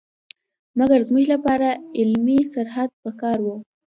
مګر زموږ لپاره علمي سرحد په کار وو.